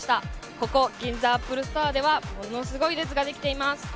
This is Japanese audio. ここ、銀座アップルストアでは、ものすごい列が出来ています。